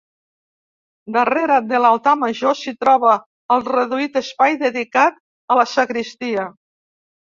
Darrere de l'altar major s'hi troba el reduït espai dedicat a la sagristia.